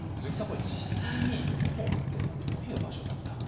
これ実際に大奥っていうのはどういう場所だったんでしょうか？